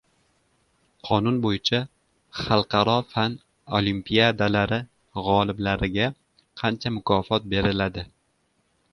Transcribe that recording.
Qonun bo‘yicha Xalqaro fan olimpiadalari g‘oliblariga qancha mukofot beriladi?